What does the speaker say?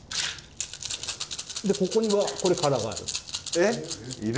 でここにはこれ空がある。